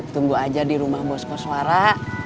tunggu aja di rumah bosco suara